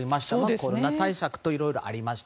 コロナ対策等いろいろありました。